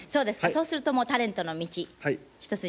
そうするともうタレントの道一筋？